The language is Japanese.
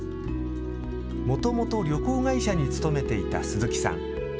もともと旅行会社に勤めていた鈴木さん。